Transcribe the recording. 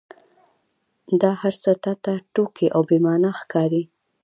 دا هرڅه تا ته ټوکې او بې معنا ښکاري.